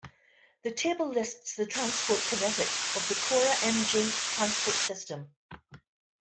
The table lists the transport kinetics of the CorA Mg transport system.